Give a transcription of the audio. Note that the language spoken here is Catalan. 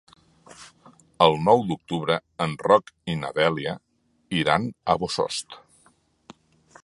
El nou d'octubre en Roc i na Dèlia iran a Bossòst.